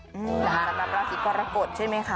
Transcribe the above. สำเร็จสำหรับราชิกกรกฎใช่ไหมค่ะ